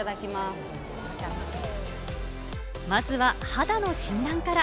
まずは肌の診断から。